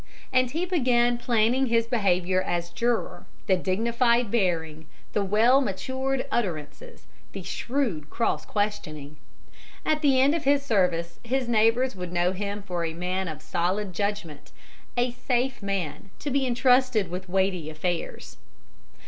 And he began planning his behavior as juror, the dignified bearing, the well matured utterances, the shrewd cross questioning. At the end of his service his neighbors would know him for a man of solid judgment, a "safe" man to be intrusted with weighty affairs.